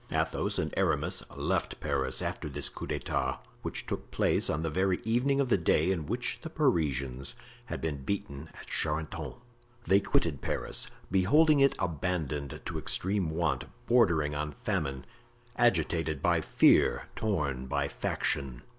Athos and Aramis left Paris after this coup d'etat, which took place on the very evening of the day in which the Parisians had been beaten at Charenton. They quitted Paris, beholding it abandoned to extreme want, bordering on famine; agitated by fear, torn by faction.